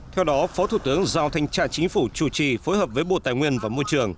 theo đó phó thủ tướng giao thanh tra chính phủ chủ trì phối hợp với bộ tài nguyên và môi trường